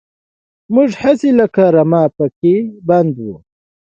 موږ هسې لکه رمه پکې پنډ وو.